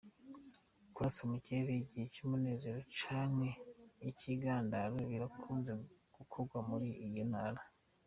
Kurasa mu kirere igihe c'umunezero canke c'ikigandaro birakunze gukogwa muri iyo ntara.